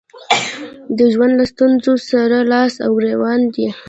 د ژوند له ستونزو سره لاس او ګرېوان دي.